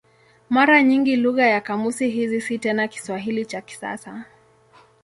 Mara nyingi lugha ya kamusi hizi si tena Kiswahili cha kisasa.